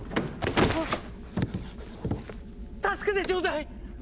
助けてちょうだい！